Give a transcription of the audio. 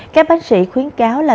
các bác sĩ khuyến cáo là